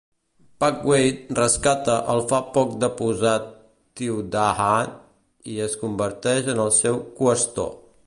Padway rescata el fa poc deposat Thiudahad i es converteix en el seu qüestor.